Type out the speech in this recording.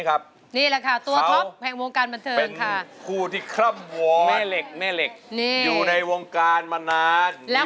ขอบคุณอีกทีนะครับขอบคุณมากครับ